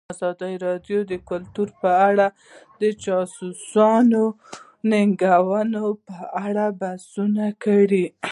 ازادي راډیو د کلتور په اړه د چانسونو او ننګونو په اړه بحث کړی.